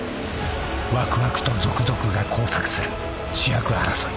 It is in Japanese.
ワクワクとゾクゾクが交錯する主役争い。